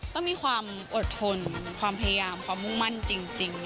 ต้องมีความอดทนความพยายามความมุ่งมั่นจริง